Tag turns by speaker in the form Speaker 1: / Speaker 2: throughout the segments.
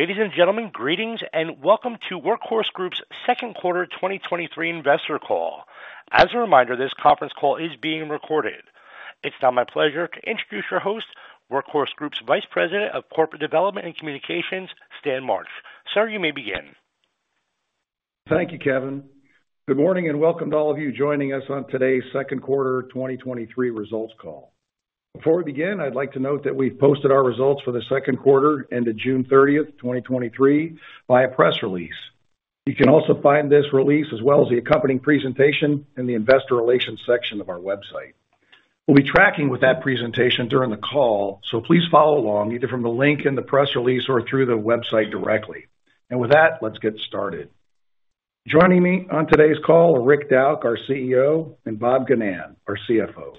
Speaker 1: Ladies and gentlemen, greetings, and welcome to Workhorse Group's second quarter 2023 investor call. As a reminder, this conference call is being recorded. It's now my pleasure to introduce your host, Workhorse Group's Vice President of Corporate Development and Communications, Stan March. Sir, you may begin.
Speaker 2: Thank you, Kevin. Good morning, and welcome to all of you joining us on today's second quarter 2023 results call. Before we begin, I'd like to note that we've posted our results for the second quarter ended June 30, 2023, via press release. You can also find this release, as well as the accompanying presentation, in the investor relations section of our website. We'll be tracking with that presentation during the call, so please follow along, either from the link in the press release or through the website directly. With that, let's get started. Joining me on today's call are Rick Dauch, our CEO, and Bob Ginnan, our CFO.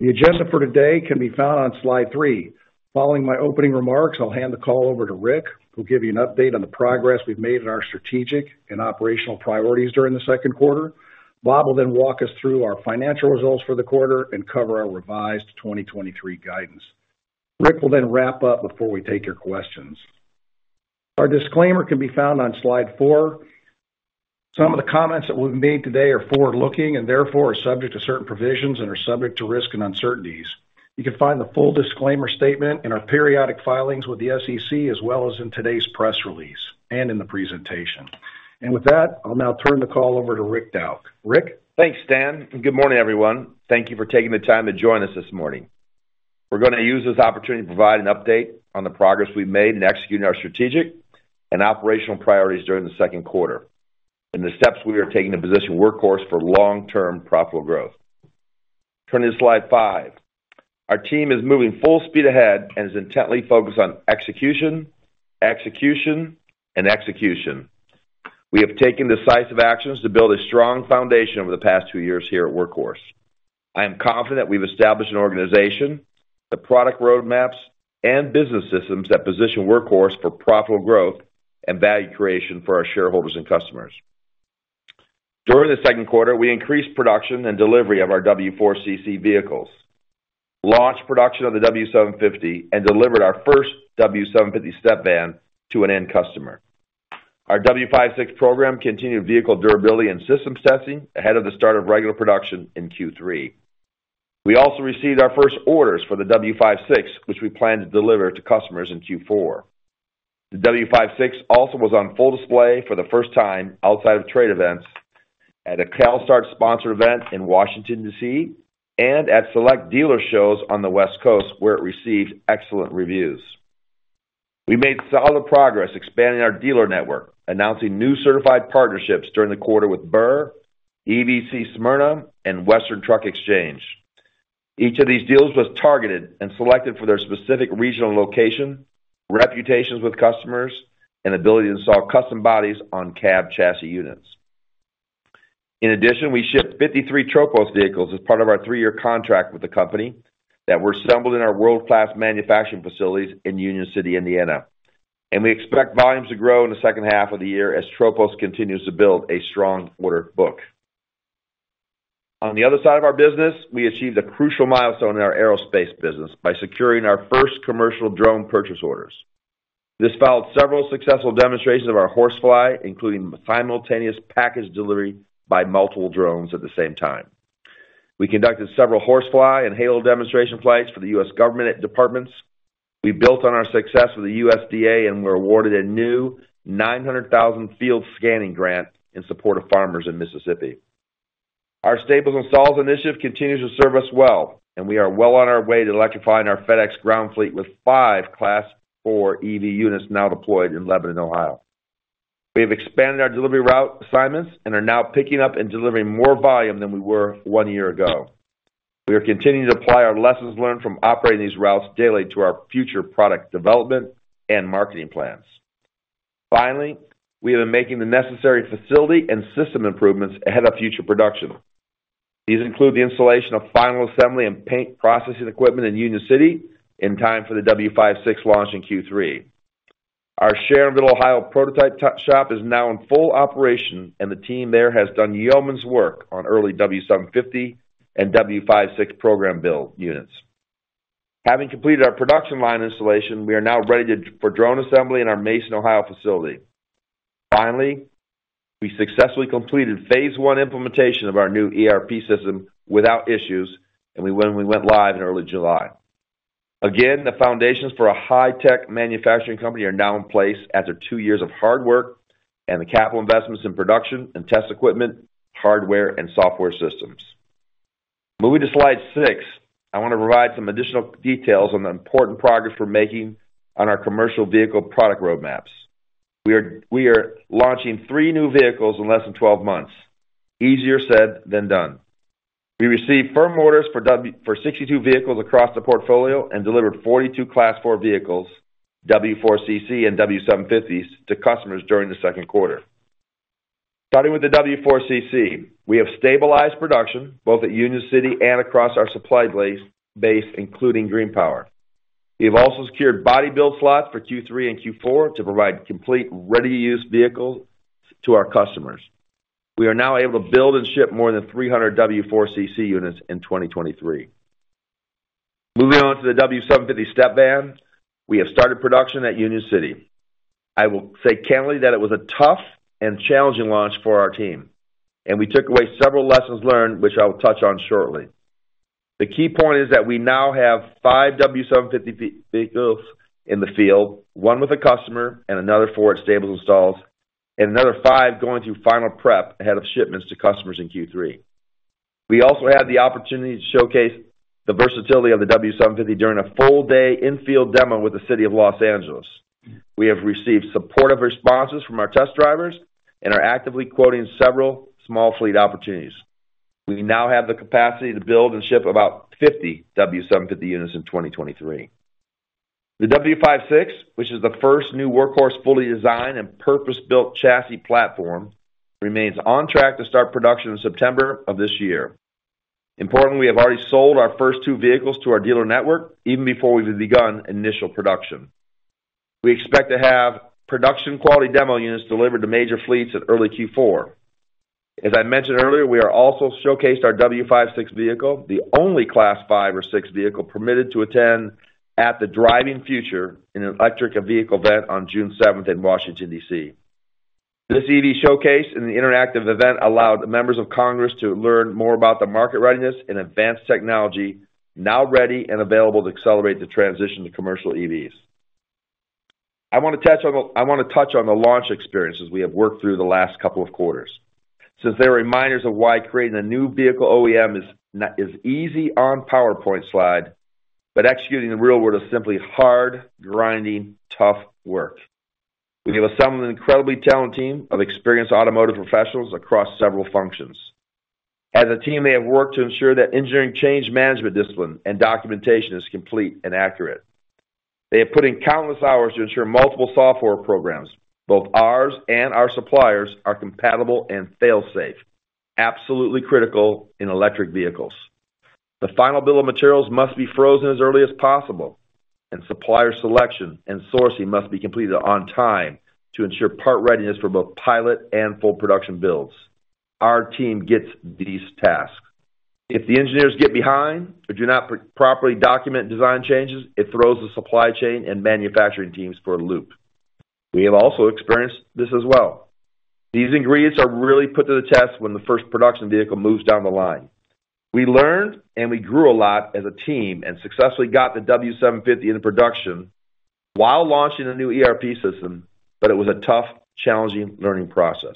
Speaker 2: The agenda for today can be found on slide three. Following my opening remarks, I'll hand the call over to Rick, who'll give you an update on the progress we've made in our strategic and operational priorities during the second quarter. Bob will then walk us through our financial results for the quarter and cover our revised 2023 guidance. Rick will then wrap up before we take your questions. Our disclaimer can be found on slide four. Some of the comments that we've made today are forward-looking and therefore are subject to certain provisions and are subject to risk and uncertainties. You can find the full disclaimer statement in our periodic filings with the SEC, as well as in today's press release and in the presentation. With that, I'll now turn the call over to Rick Dauch. Rick?
Speaker 3: Thanks, Stan. Good morning, everyone. Thank you for taking the time to join us this morning. We're going to use this opportunity to provide an update on the progress we've made in executing our strategic and operational priorities during the second quarter, and the steps we are taking to position Workhorse for long-term profitable growth. Turning to slide five. Our team is moving full speed ahead and is intently focused on execution, execution, and execution. We have taken decisive actions to build a strong foundation over the past two years here at Workhorse. I am confident we've established an organization, the product roadmaps and business systems that position Workhorse for profitable growth and value creation for our shareholders and customers. During the second quarter, we increased production and delivery of our W4 CC vehicles, launched production of the W750, and delivered our first W750 step van to an end customer. Our W56 program continued vehicle durability and system testing ahead of the start of regular production in Q3. We also received our first orders for the W56, which we plan to deliver to customers in Q4. The W56 also was on full display for the first time outside of trade events at a CALSTART sponsor event in Washington, DC, and at select dealer shows on the West Coast, where it received excellent reviews. We made solid progress expanding our dealer network, announcing new certified partnerships during the quarter with Burr, EVC Smyrna, and Western Truck Exchange. Each of these deals was targeted and selected for their specific regional location, reputations with customers, and ability to install custom bodies on cab chassis units. In addition, we shipped 53 Tropos vehicles as part of our three-year contract with the company, that were assembled in our world-class manufacturing facilities in Union City, Indiana. We expect volumes to grow in the second half of the year as Tropos continues to build a strong order book. On the other side of our business, we achieved a crucial milestone in our aerospace business by securing our first commercial drone purchase orders. This followed several successful demonstrations of our HorseFly, including simultaneous package delivery by multiple drones at the same time. We conducted several HorseFly and HALO demonstration flights for the U.S. government departments. We built on our success with the USDA, and we were awarded a new $900,000 field scanning grant in support of farmers in Mississippi. Our Stables Installed initiative continues to serve us well, and we are well on our way to electrifying our FedEx Ground fleet with five Class 4 EV units now deployed in Lebanon, Ohio. We have expanded our delivery route assignments and are now picking up and delivering more volume than we were one year ago. We are continuing to apply our lessons learned from operating these routes daily to our future product development and marketing plans. Finally, we have been making the necessary facility and system improvements ahead of future production. These include the installation of final assembly and paint processing equipment in Union City in time for the W56 launch in Q3. Our Sharonville, Ohio, prototype shop is now in full operation, and the team there has done yeoman's work on early W750 and W56 program build units. Having completed our production line installation, we are now ready for drone assembly in our Mason, Ohio, facility. Finally, we successfully completed phase one implementation of our new ERP system without issues, and we went live in early July. Again, the foundations for a high-tech manufacturing company are now in place after two years of hard work and the capital investments in production and test equipment, hardware, and software systems. Moving to slide six, I want to provide some additional details on the important progress we're making on our commercial vehicle product roadmaps. We are launching three new vehicles in less than 12 months. Easier said than done. We received firm orders for 62 vehicles across the portfolio and delivered 42 Class 4 vehicles, W4CC and W750s, to customers during the second quarter. Starting with the W4CC, we have stabilized production both at Union City and across our supply base, including GreenPower. We have also secured body build slots for Q3 and Q4 to provide complete, ready-to-use vehicles to our customers. We are now able to build and ship more than 300 W4 CC units in 2023. Moving on to the W750 step van, we have started production at Union City. I will say candidly that it was a tough and challenging launch for our team, and we took away several lessons learned, which I will touch on shortly. The key point is that we now have five W750 vehicles in the field, one with a customer and another four at Stables stalls, and another five going through final prep ahead of shipments to customers in Q3. We also had the opportunity to showcase the versatility of the W750 during a full-day in-field demo with the city of Los Angeles. We have received supportive responses from our test drivers and are actively quoting several small fleet opportunities. We now have the capacity to build and ship about 50 W750 units in 2023. The W56, which is the first new Workhorse, fully designed and purpose-built chassis platform, remains on track to start production in September of this year. Importantly, we have already sold our first two vehicles to our dealer network even before we've begun initial production. We expect to have production quality demo units delivered to major fleets in early Q4. As I mentioned earlier, we are also showcased our W56 vehicle, the only Class five or six vehicle permitted to attend at the Driving Future in an electric and vehicle event on June seventh in Washington, D.C. This EV showcase and the interactive event allowed members of Congress to learn more about the market readiness and advanced technology now ready and available to accelerate the transition to commercial EVs. I want to touch on the launch experiences we have worked through the last couple of quarters, since they are reminders of why creating a new vehicle OEM is easy on PowerPoint slide, but executing the real world is simply hard, grinding, tough work. We have assembled an incredibly talented team of experienced automotive professionals across several functions. As a team, they have worked to ensure that engineering change management, discipline, and documentation is complete and accurate. They have put in countless hours to ensure multiple software programs, both ours and our suppliers, are compatible and fail-safe, absolutely critical in electric vehicles. The final bill of materials must be frozen as early as possible, and supplier selection and sourcing must be completed on time to ensure part readiness for both pilot and full production builds. Our team gets these tasks. If the engineers get behind or do not properly document design changes, it throws the supply chain and manufacturing teams for a loop. We have also experienced this as well. These ingredients are really put to the test when the first production vehicle moves down the line. We learned and we grew a lot as a team and successfully got the W750 into production while launching a new ERP system, but it was a tough, challenging learning process.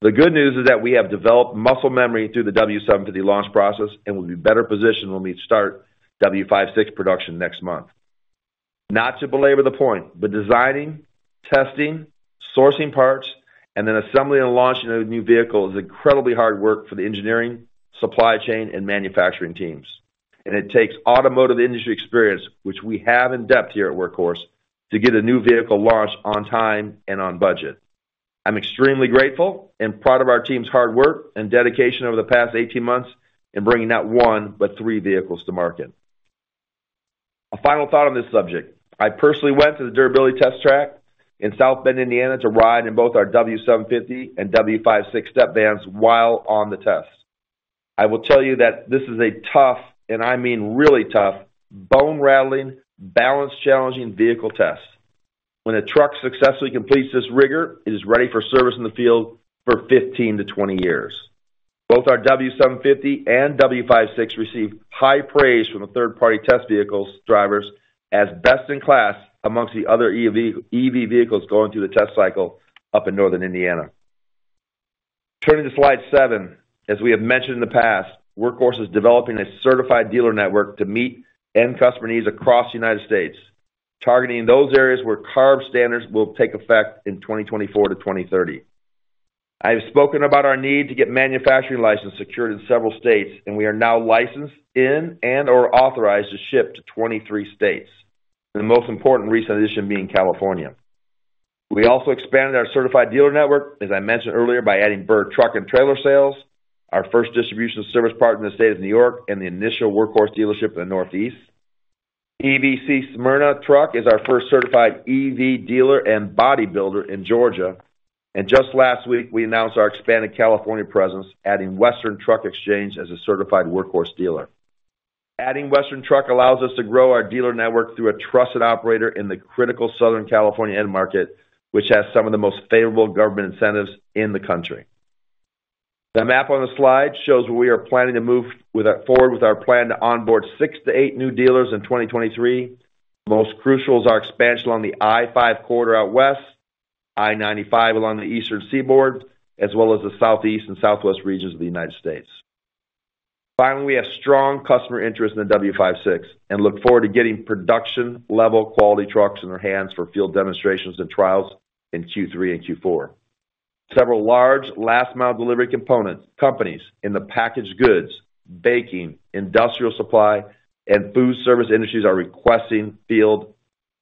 Speaker 3: The good news is that we have developed muscle memory through the W750 launch process and will be better positioned when we start W56 production next month. Not to belabor the point, but designing, testing, sourcing parts, and then assembling and launching a new vehicle is incredibly hard work for the engineering, supply chain, and manufacturing teams. It takes automotive industry experience, which we have in depth here at Workhorse, to get a new vehicle launched on time and on budget. I'm extremely grateful and proud of our team's hard work and dedication over the past 18 months in bringing not one, but three vehicles to market. A final thought on this subject. I personally went to the durability test track in South Bend, Indiana, to ride in both our W750 and W56 step vans while on the test. I will tell you that this is a tough, and I mean really tough, bone-rattling, balance-challenging vehicle test. When a truck successfully completes this rigor, it is ready for service in the field for 15 to 20 years. Both our W750 and W56 received high praise from the third-party test vehicles drivers as best-in-class amongst the other EV vehicles going through the test cycle up in northern Indiana. Turning to slide seven, as we have mentioned in the past, Workhorse is developing a certified dealer network to meet end customer needs across the United States, targeting those areas where CARB standards will take effect in 2024-2030. I have spoken about our need to get manufacturing licenses secured in several states, and we are now licensed in and/or authorized to ship to 23 states, and the most important recent addition being California. We also expanded our certified dealer network, as I mentioned earlier, by adding Burr Truck and Trailer Sales, our first distribution service partner in the state of New York and the initial Workhorse dealership in the Northeast. EVC Smyrna Truck is our first certified EV dealer and bodybuilder in Georgia. Just last week, we announced our expanded California presence, adding Western Truck Exchange as a certified Workhorse dealer. Adding Western Truck allows us to grow our dealer network through a trusted operator in the critical Southern California end market, which has some of the most favorable government incentives in the country. The map on the slide shows where we are planning to move forward with our plan to onboard six to eight new dealers in 2023. Most crucial is our expansion on the I-5 corridor out west, I-95 along the eastern seaboard, as well as the southeast and southwest regions of the United States. Finally, we have strong customer interest in the W56 and look forward to getting production-level quality trucks in their hands for field demonstrations and trials in Q3 and Q4. Several large last-mile delivery companies in the packaged goods, baking, industrial supply, and food service industries are requesting field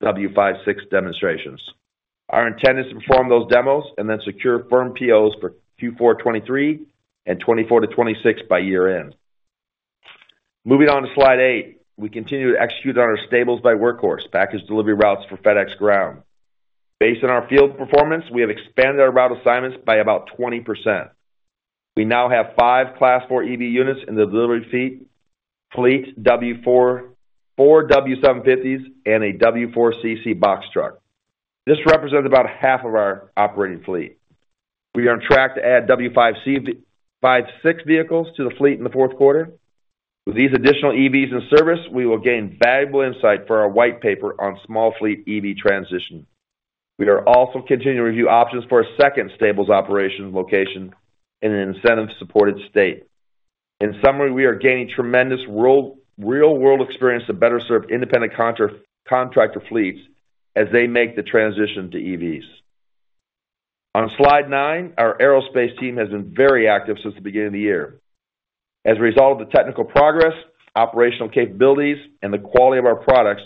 Speaker 3: W56 demonstrations. Our intent is to perform those demos and then secure firm POs for Q4 2023 and 2024-2026 by year-end. Moving on to slide eight. We continue to execute on our Stables by Workhorse package delivery routes for FedEx Ground. Based on our field performance, we have expanded our route assignments by about 20%. We now have five Class 4 EV units in the delivery fleet, W4, four W750s and a W4CC box truck. This represents about half of our operating fleet. We are on track to add W56 vehicles to the fleet in the fourth quarter. With these additional EVs in service, we will gain valuable insight for our white paper on small fleet EV transition. We are also continuing to review options for a second Stables operations location in an incentive-supported state. In summary, we are gaining tremendous real-world experience to better serve independent contractor fleets as they make the transition to EVs. On slide nine, our aerospace team has been very active since the beginning of the year. As a result of the technical progress, operational capabilities, and the quality of our products,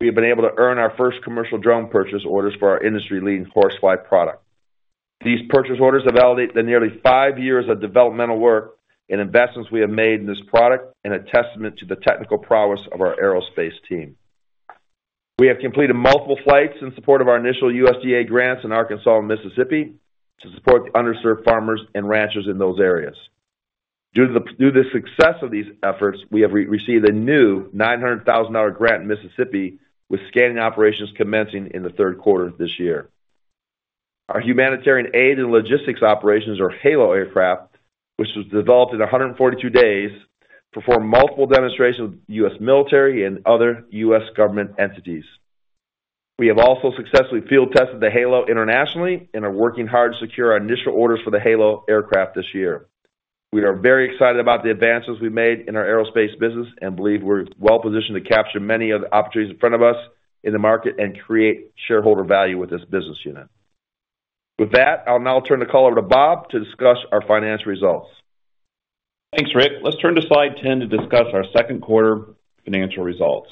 Speaker 3: we have been able to earn our first commercial drone purchase orders for our industry-leading HorseFly product. These purchase orders validate the nearly five years of developmental work and investments we have made in this product and a testament to the technical prowess of our aerospace team. We have completed multiple flights in support of our initial USDA grants in Arkansas and Mississippi to support the underserved farmers and ranchers in those areas. Due to the success of these efforts, we have received a new $900,000 grant in Mississippi, with scanning operations commencing in the third quarter of this year. Our humanitarian aid and logistics operations, or HALO aircraft, which was developed in 142 days, performed multiple demonstrations with U.S. military and other U.S. government entities. We have also successfully field tested the HALO internationally and are working hard to secure our initial orders for the HALO aircraft this year. We are very excited about the advances we've made in our aerospace business and believe we're well positioned to capture many of the opportunities in front of us in the market and create shareholder value with this business unit. With that, I'll now turn the call over to Bob to discuss our financial results.
Speaker 4: Thanks, Rick. Let's turn to slide 10 to discuss our second quarter financial results.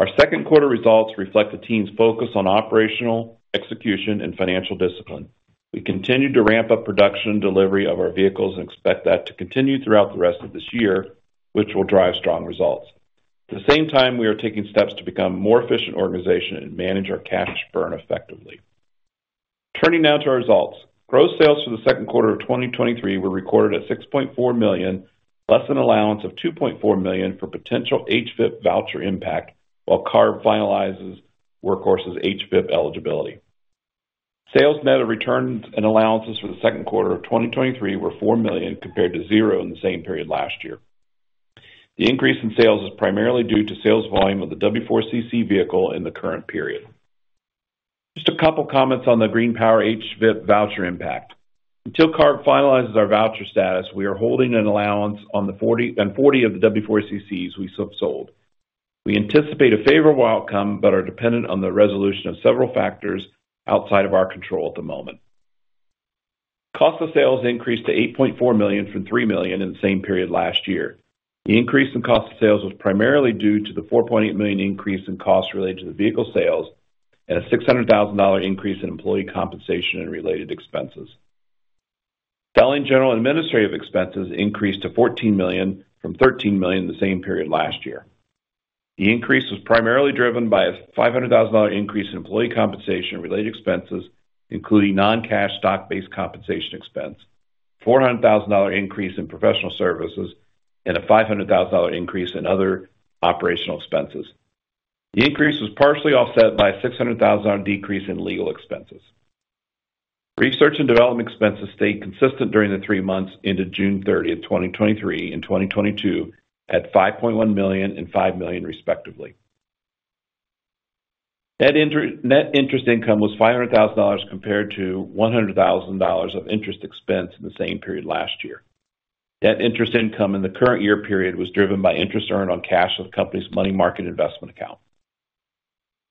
Speaker 4: Our second quarter results reflect the team's focus on operational, execution, and financial discipline. We continued to ramp up production and delivery of our vehicles and expect that to continue throughout the rest of this year, which will drive strong results. At the same time, we are taking steps to become a more efficient organization and manage our cash burn effectively. Turning now to our results. Gross sales for the second quarter of 2023 were recorded at $6.4 million, less than allowance of $2.4 million for potential HVIP voucher impact, while CARB finalizes Workhorse's HVIP eligibility. Sales net of returns and allowances for the second quarter of 2023 were $4 million, compared to $0 in the same period last year. The increase in sales is primarily due to sales volume of the W4CC vehicle in the current period. Just a couple comments on the GreenPower HVIP voucher impact. Until CARB finalizes our voucher status, we are holding an allowance on the 40 of the W4CCs we sold. We anticipate a favorable outcome, but are dependent on the resolution of several factors outside of our control at the moment. Cost of sales increased to $8.4 million from $3 million in the same period last year. The increase in cost of sales was primarily due to the $4.8 million increase in costs related to the vehicle sales and a $600,000 increase in employee compensation and related expenses. Selling general and administrative expenses increased to $14 million from $13 million in the same period last year. The increase was primarily driven by a $500,000 increase in employee compensation and related expenses, including non-cash stock-based compensation expense, $400,000 increase in professional services, and a $500,000 increase in other operational expenses. The increase was partially offset by a $600,000 decrease in legal expenses. Research and development expenses stayed consistent during the three months into June 30, 2023 and 2022, at $5.1 million and $5 million, respectively. Net interest income was $500,000, compared to $100,000 of interest expense in the same period last year. Net interest income in the current year period was driven by interest earned on cash of the company's money market investment account.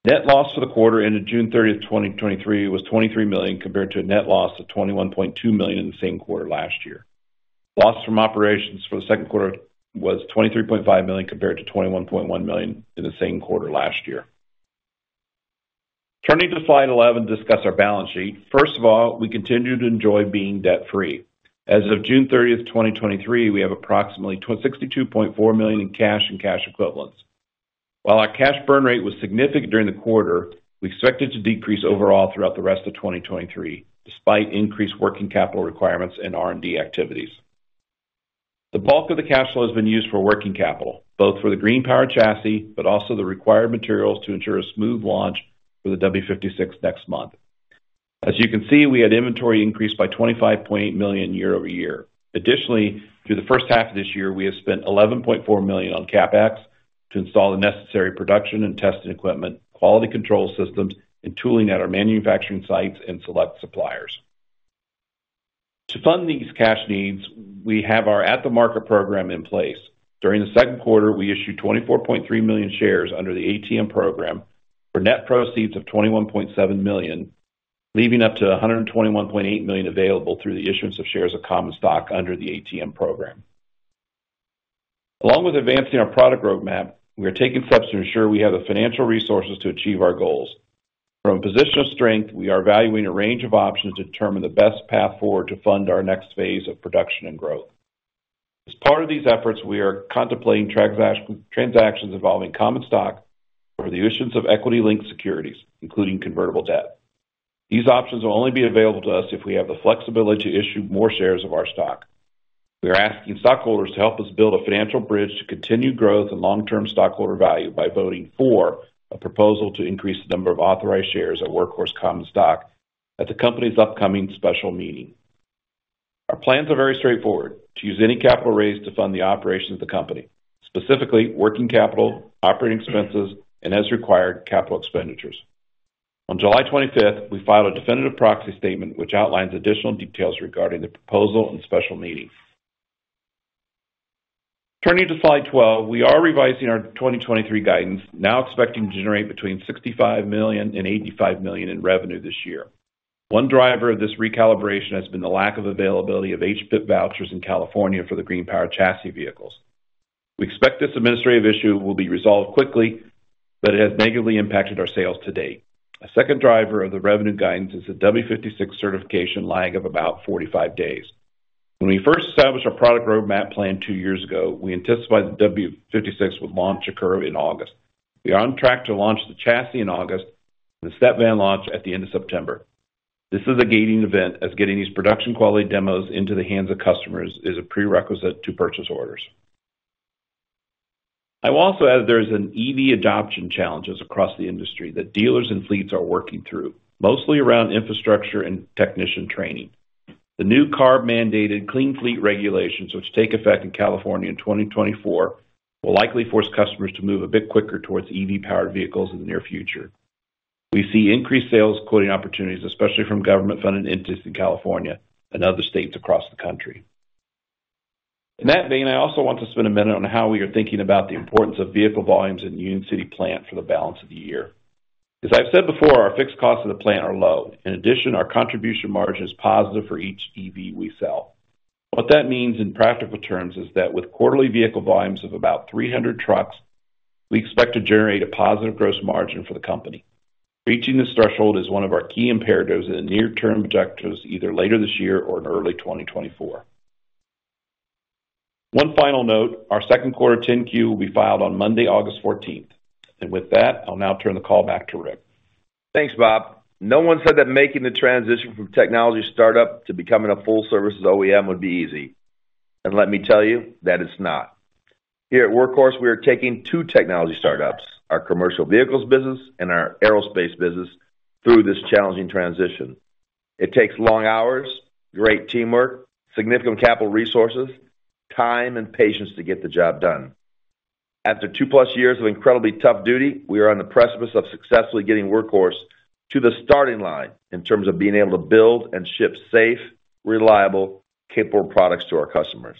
Speaker 4: Net loss for the quarter ended June 30, 2023, was $23 million, compared to a net loss of $21.2 million in the same quarter last year. Loss from operations for the second quarter was $23.5 million, compared to $21.1 million in the same quarter last year. Turning to slide 11 to discuss our balance sheet. First of all, we continue to enjoy being debt free. As of June 30, 2023, we have approximately $62.4 million in cash and cash equivalents. While our cash burn rate was significant during the quarter, we expect it to decrease overall throughout the rest of 2023, despite increased working capital requirements and R&D activities. The bulk of the cash flow has been used for working capital, both for the GreenPower chassis, but also the required materials to ensure a smooth launch for the W56 next month. As you can see, we had inventory increase by $25.8 million year-over-year. Additionally, through the first half of this year, we have spent $11.4 million on CapEx to install the necessary production and testing equipment, quality control systems, and tooling at our manufacturing sites and select suppliers. To fund these cash needs, we have our at-the-market program in place. During the second quarter, we issued 24.3 million shares under the ATM program for net proceeds of $21.7 million, leaving up to $121.8 million available through the issuance of shares of common stock under the ATM program. Along with advancing our product roadmap, we are taking steps to ensure we have the financial resources to achieve our goals. From a position of strength, we are evaluating a range of options to determine the best path forward to fund our next phase of production and growth. As part of these efforts, we are contemplating transactions involving common stock or the issuance of equity-linked securities, including convertible debt. These options will only be available to us if we have the flexibility to issue more shares of our stock. We are asking stockholders to help us build a financial bridge to continued growth and long-term stockholder value by voting for a proposal to increase the number of authorized shares of Workhorse common stock at the company's upcoming special meeting. Our plans are very straightforward: to use any capital raised to fund the operations of the company, specifically working capital, operating expenses, and as required, capital expenditures. On July 25th, we filed a definitive proxy statement, which outlines additional details regarding the proposal and special meeting. Turning to slide 12, we are revising our 2023 guidance, now expecting to generate between $65 million and $85 million in revenue this year. One driver of this recalibration has been the lack of availability of HVIP vouchers in California for the GreenPower chassis vehicles. We expect this administrative issue will be resolved quickly, but it has negatively impacted our sales to date. A second driver of the revenue guidance is the W56 certification lag of about 45 days. When we first established our product roadmap plan two years ago, we anticipated the W56 would launch occur in August. We are on track to launch the chassis in August, the step van launch at the end of September. This is a gating event, as getting these production quality demos into the hands of customers is a prerequisite to purchase orders. I will also add there is an EV adoption challenges across the industry that dealers and fleets are working through, mostly around infrastructure and technician training. The new CARB-mandated clean fleet regulations, which take effect in California in 2024, will likely force customers to move a bit quicker towards EV-powered vehicles in the near future. We see increased sales quoting opportunities, especially from government-funded entities in California and other states across the country. In that vein, I also want to spend a minute on how we are thinking about the importance of vehicle volumes in Union City plant for the balance of the year. As I've said before, our fixed costs in the plant are low. Our contribution margin is positive for each EV we sell. What that means in practical terms is that with quarterly vehicle volumes of about 300 trucks, we expect to generate a positive gross margin for the company. Reaching this threshold is one of our key imperatives in the near term objectives, either later this year or in early 2024. One final note, our second quarter 10-Q will be filed on Monday, August 14th. With that, I'll now turn the call back to Rick.
Speaker 3: Thanks, Bob. No one said that making the transition from technology startup to becoming a full services OEM would be easy. Let me tell you, that it's not. Here at Workhorse, we are taking two technology startups, our commercial vehicles business and our aerospace business, through this challenging transition. It takes long hours, great teamwork, significant capital resources, time and patience to get the job done. After 2+ years of incredibly tough duty, we are on the precipice of successfully getting Workhorse to the starting line in terms of being able to build and ship safe, reliable, capable products to our customers.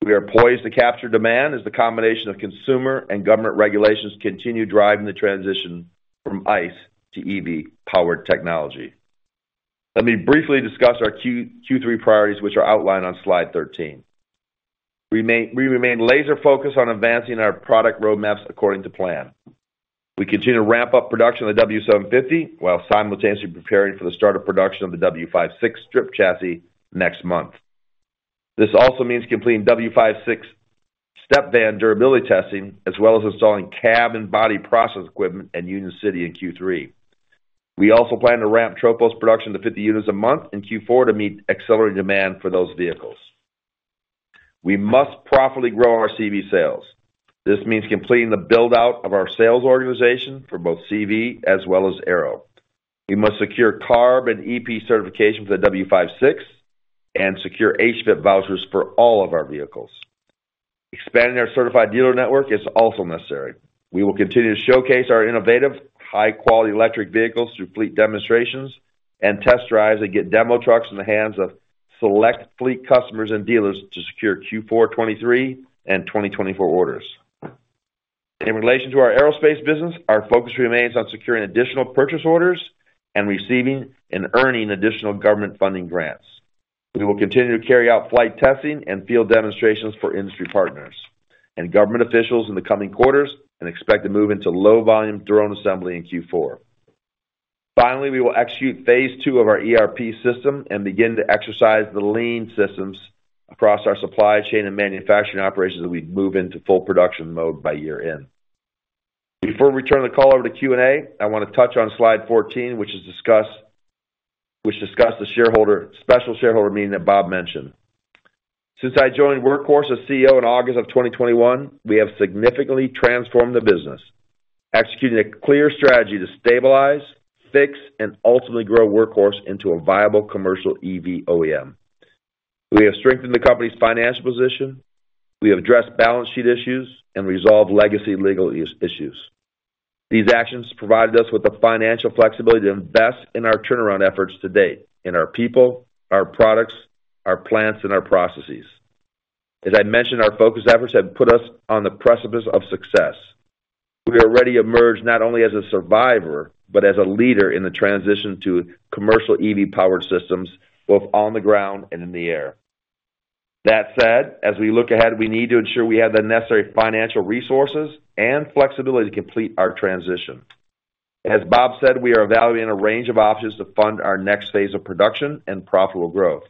Speaker 3: We are poised to capture demand as the combination of consumer and government regulations continue driving the transition from ICE to EV-powered technology. Let me briefly discuss our Q3 priorities, which are outlined on slide 13. We remain laser focused on advancing our product roadmaps according to plan. We continue to ramp up production of the W750, while simultaneously preparing for the start of production of the W56 strip chassis next month. This also means completing W56 step van durability testing, as well as installing cab and body process equipment in Union City in Q3. We also plan to ramp Tropos production to 50 units a month in Q4 to meet accelerating demand for those vehicles. We must profitably grow our CV sales. This means completing the build-out of our sales organization for both CV as well as aero. We must secure CARB and EPA certifications for the W56 and secure HVIP vouchers for all of our vehicles. Expanding our certified dealer network is also necessary. We will continue to showcase our innovative, high-quality electric vehicles through fleet demonstrations and test drives, get demo trucks in the hands of select fleet customers and dealers to secure Q4 '23 and 2024 orders. In relation to our aerospace business, our focus remains on securing additional purchase orders and receiving and earning additional government funding grants. We will continue to carry out flight testing and field demonstrations for industry partners and government officials in the coming quarters, expect to move into low volume drone assembly in Q4. Finally, we will execute phase two of our ERP system and begin to exercise the lean systems across our supply chain and manufacturing operations, as we move into full production mode by year-end. Before we turn the call over to Q&A, I want to touch on slide 14, which discussed the shareholder, special shareholder meeting that Bob mentioned. Since I joined Workhorse as CEO in August of 2021, we have significantly transformed the business, executing a clear strategy to stabilize, fix, and ultimately grow Workhorse into a viable commercial EV OEM. We have strengthened the company's financial position, we have addressed balance sheet issues and resolved legacy legal issues. These actions provided us with the financial flexibility to invest in our turnaround efforts to date, in our people, our products, our plants, and our processes. As I mentioned, our focus efforts have put us on the precipice of success. We already emerged not only as a survivor, but as a leader in the transition to commercial EV-powered systems, both on the ground and in the air. That said, as we look ahead, we need to ensure we have the necessary financial resources and flexibility to complete our transition. As Bob said, we are evaluating a range of options to fund our next phase of production and profitable growth.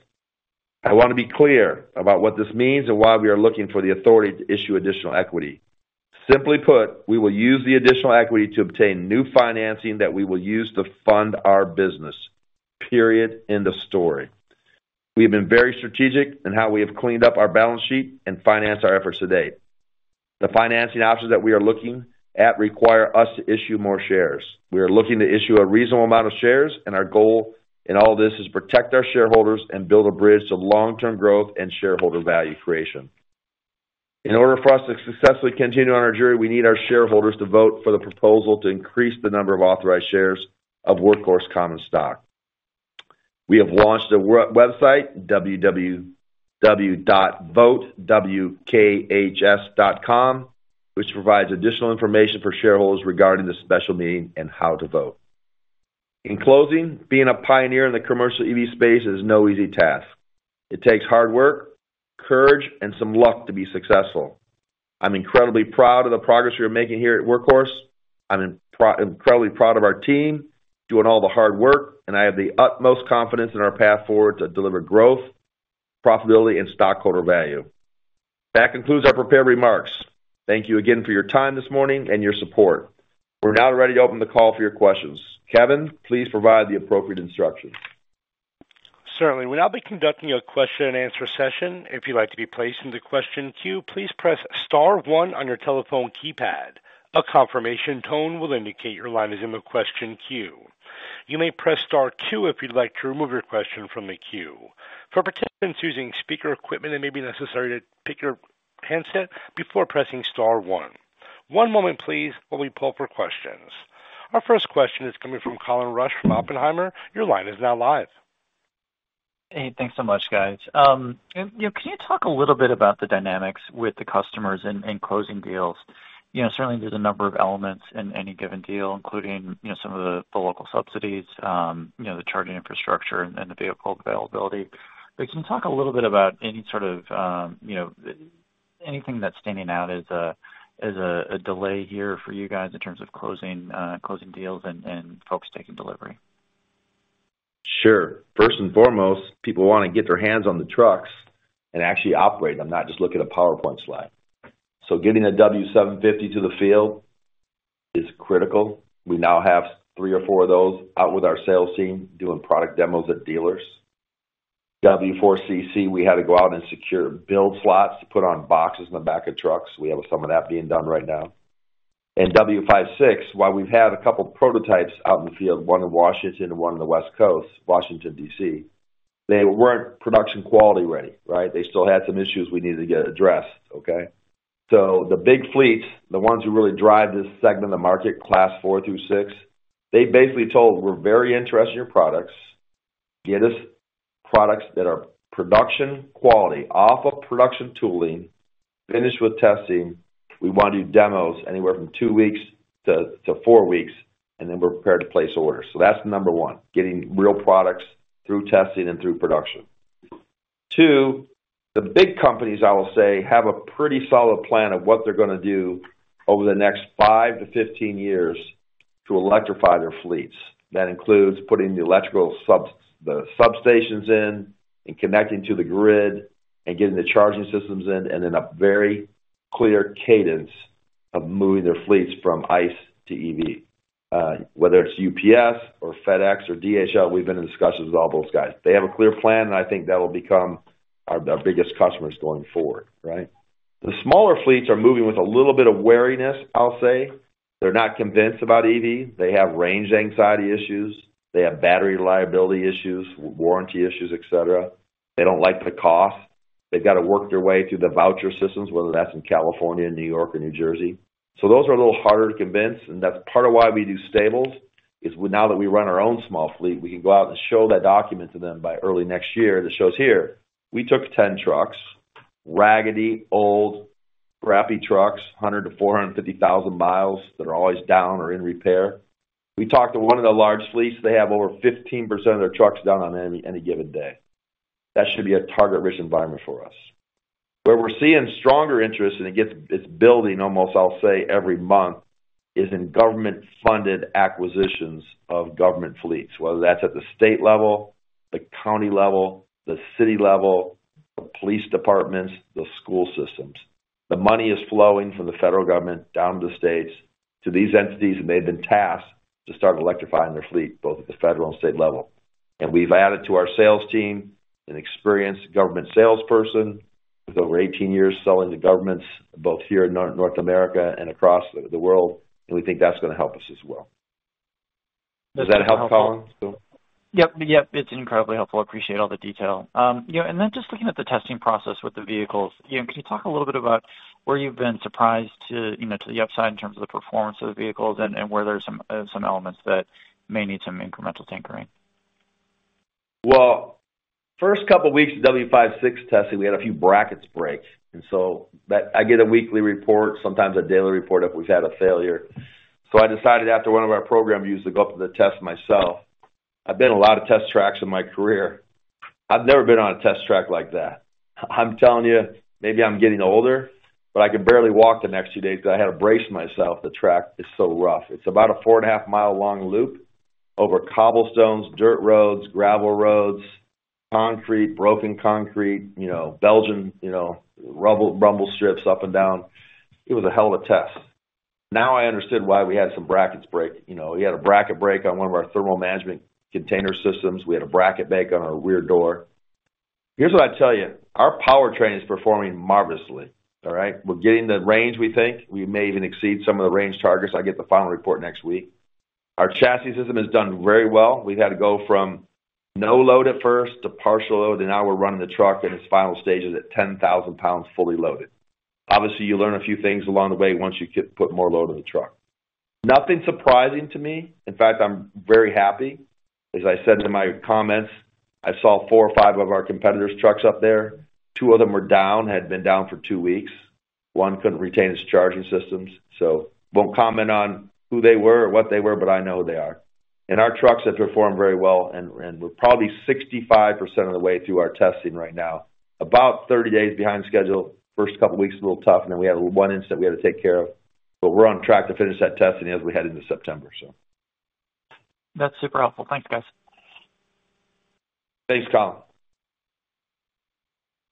Speaker 3: I want to be clear about what this means and why we are looking for the authority to issue additional equity. Simply put, we will use the additional equity to obtain new financing that we will use to fund our business. Period. End of story. We have been very strategic in how we have cleaned up our balance sheet and finance our efforts to date. The financing options that we are looking at require us to issue more shares. We are looking to issue a reasonable amount of shares, and our goal in all this is protect our shareholders and build a bridge to long-term growth and shareholder value creation. In order for us to successfully continue on our journey, we need our shareholders to vote for the proposal to increase the number of authorized shares of Workhorse common stock. We have launched a website, www.votewkhs.com, which provides additional information for shareholders regarding the special meeting and how to vote. In closing, being a pioneer in the commercial EV space is no easy task. It takes hard work, courage, and some luck to be successful. I'm incredibly proud of the progress we are making here at Workhorse. I'm incredibly proud of our team doing all the hard work, and I have the utmost confidence in our path forward to deliver growth, profitability, and stockholder value. That concludes our prepared remarks. Thank you again for your time this morning and your support. We're now ready to open the call for your questions. Kevin, please provide the appropriate instructions.
Speaker 1: Certainly. We'll now be conducting a question and answer session. If you'd like to be placed into question queue, please press star one on your telephone keypad. A confirmation tone will indicate your line is in the question queue. You may press star two if you'd like to remove your question from the queue. For participants using speaker equipment, it may be necessary to pick your handset before pressing star one. One moment please, while we pull for questions. Our first question is coming from Colin Rusch from Oppenheimer. Your line is now live.
Speaker 5: Hey, thanks so much, guys. You know, can you talk a little bit about the dynamics with the customers in, in closing deals? You know, certainly there's a number of elements in any given deal, including, you know, some of the, the local subsidies, you know, the charging infrastructure and, and the vehicle availability. Can you talk a little bit about any sort of, you know, anything that's standing out as a delay here for you guys in terms of closing, closing deals and, and folks taking delivery?
Speaker 3: Sure. First and foremost, people want to get their hands on the trucks and actually operate them, not just look at a PowerPoint slide. Getting a W750 to the field is critical. We now have three or four of those out with our sales team doing product demos at dealers. W4 CC, we had to go out and secure build slots to put on boxes in the back of trucks. We have some of that being done right now. W56, while we've had a couple prototypes out in the field, one in Washington and one on the West Coast, Washington, D.C., they weren't production quality ready, right? They still had some issues we needed to get addressed. Okay? The big fleets, the ones who really drive this segment of the market, Class four through six, they basically told us, "We're very interested in your products. Get us products that are production quality, off of production tooling, finished with testing. We want to do demos anywhere from two to four weeks, and then we're prepared to place orders. That's number one, getting real products through testing and through production. Two, the big companies, I will say, have a pretty solid plan of what they're going to do over the next 5-15 years to electrify their fleets. That includes putting the electrical substations in and connecting to the grid and getting the charging systems in, and then a very clear cadence of moving their fleets from ICE to EV. Whether it's UPS or FedEx or DHL, we've been in discussions with all those guys. They have a clear plan, and I think that will become our, our biggest customers going forward, right? The smaller fleets are moving with a little bit of wariness, I'll say. They're not convinced about EV. They have range anxiety issues, they have battery liability issues, warranty issues, et cetera. They don't like the cost. They've got to work their way through the voucher systems, whether that's in California, New York or New Jersey. Those are a little harder to convince, and that's part of why we do Stables, is now that we run our own small fleet, we can go out and show that document to them by early next year. That shows here, we took 10 trucks, raggedy, old, crappy trucks, 100,000-450,000 miles, that are always down or in repair. We talked to one of the large fleets. They have over 15% of their trucks down on any, any given day. That should be a target-rich environment for us. Where we're seeing stronger interest, and it's building almost, I'll say, every month, is in government-funded acquisitions of government fleets, whether that's at the state level, the county level, the city level, the police departments, the school systems. The money is flowing from the federal government down to the states, to these entities, and they've been tasked to start electrifying their fleet, both at the federal and state level. We've added to our sales team an experienced government salesperson with over 18 years selling to governments both here in North America and across the, the world, and we think that's going to help us as well. Does that help, Colin?
Speaker 5: Yep, yep, it's incredibly helpful. I appreciate all the detail. You know, just looking at the testing process with the vehicles, you know, can you talk a little bit about where you've been surprised to, you know, to the upside in terms of the performance of the vehicles and, and where there's some, some elements that may need some incremental tinkering?
Speaker 3: First couple weeks of W56 testing, we had a few brackets break, and so that I get a weekly report, sometimes a daily report, if we've had a failure. I decided after one of our program reviews to go up to the test myself. I've been in a lot of test tracks in my career. I've never been on a test track like that. I'm telling you, maybe I'm getting older, but I could barely walk the next two days because I had to brace myself, the track is so rough. It's about a 4.5 mile long loop over cobblestones, dirt roads, gravel roads, concrete, broken concrete, you know, Belgian, you know, rubble, rumble strips up and down. It was a hell of a test. I understood why we had some brackets break. You know, we had a bracket break on one of our thermal management container systems. We had a bracket break on our rear door. Here's what I tell you: our powertrain is performing marvelously, all right? We're getting the range we think. We may even exceed some of the range targets. I get the final report next week. Our chassis system has done very well. We've had to go from no load at first to partial load, and now we're running the truck in its final stages at 10,000 pounds, fully loaded. Obviously, you learn a few things along the way once you put more load on the truck. Nothing surprising to me. In fact, I'm very happy. As I said in my comments, I saw four or five of our competitors' trucks up there. Two of them were down, had been down for two weeks. One couldn't retain its charging systems, so won't comment on who they were or what they were, but I know who they are. Our trucks have performed very well, and we're probably 65% of the way through our testing right now, about 30 days behind schedule. First couple of weeks, a little tough, and then we had one incident we had to take care of, but we're on track to finish that testing as we head into September.
Speaker 5: That's super helpful. Thanks, guys.
Speaker 3: Thanks, Colin.